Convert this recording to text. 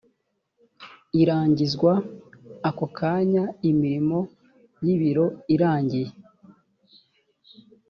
irangizwa ako kanya imirimo y’ibiro irangiye